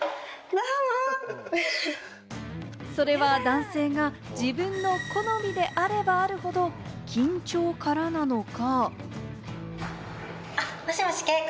それは男性が自分の好みであればあるほど、緊張からなのか。